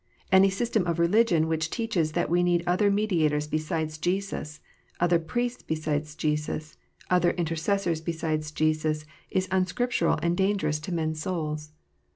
Any system of religion which teaches that we need other mediators besides Jesus, other priests besides Jesus, other intercessors besides Jesus, is unscrip tural and dangerous to men s souls.